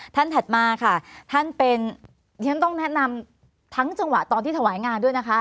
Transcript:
ถัดมาค่ะท่านเป็นฉันต้องแนะนำทั้งจังหวะตอนที่ถวายงานด้วยนะคะ